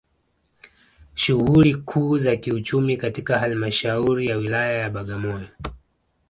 Shughuli kuu za kiuchumi katika Halmashauri ya Wilaya ya Bagamoyo